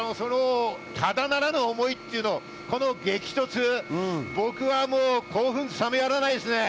ただならぬ思いというのこの激突、僕は興奮冷めやらないですね。